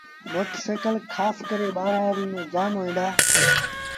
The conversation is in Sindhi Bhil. موٽر سآئيٚڪل کآس ڪري ٻآرآڙيٚ ميݩ جآم هئيٚن دآ۔